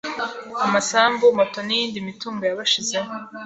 amasambu, moto n’iyindi mitungo yabashizeho